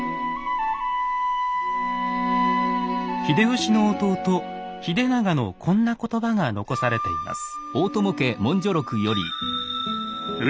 秀吉の弟秀長のこんな言葉が残されています。